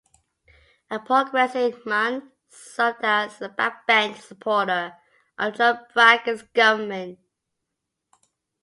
A Progressive, Munn served as a backbench supporter of John Bracken's government.